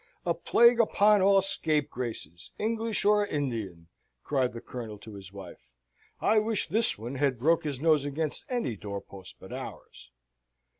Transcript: "A plague upon all scapegraces, English or Indian!" cried the Colonel to his wife. "I wish this one had broke his nose against any doorpost but ours."